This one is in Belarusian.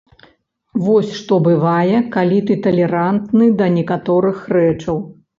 Вось што бывае, калі ты талерантны да некаторых рэчаў.